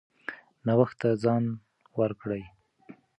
نوښت ته ځای ورکړئ.